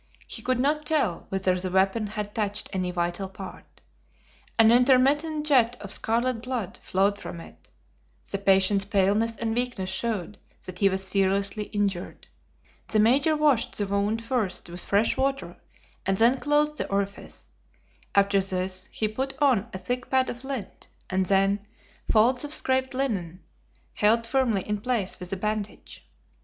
He could not tell whether the weapon had touched any vital part. An intermittent jet of scarlet blood flowed from it; the patient's paleness and weakness showed that he was seriously injured. The Major washed the wound first with fresh water and then closed the orifice; after this he put on a thick pad of lint, and then folds of scraped linen held firmly in place with a bandage.